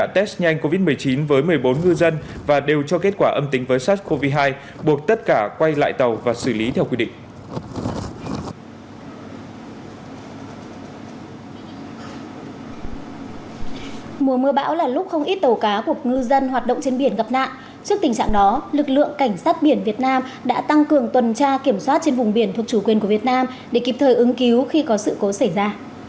trước tình trạng đó lực lượng cảnh sát biển việt nam đã tăng cường tuần tra kiểm soát trên vùng biển thuộc chủ quyền của việt nam để kịp thời ứng cứu khi có sự cố xảy ra